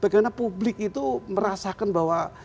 karena publik itu merasakan bahwa